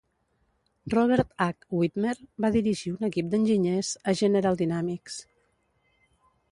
Robert H. Widmer va dirigir un equip d'enginyers a General Dynamics.